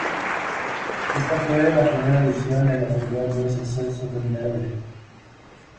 Esta fue la primera edición en otorgar dos ascensos de manera directa.